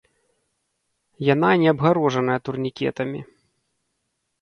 Яна не абгароджаная турнікетамі.